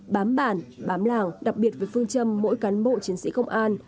bám bản bám làng đặc biệt với phương châm mỗi cán bộ chiến sĩ công an